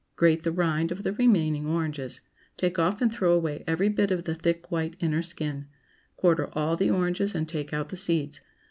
Grate the rind of the remaining oranges; take off and throw away every bit of the thick white inner skin; quarter all the oranges and take out the seeds.